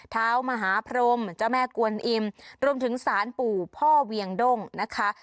เท้ามหาพรมเจ้าแม่กวนอิ่มรวมถึงสารปู่พ่อเวียงด้งนะคะ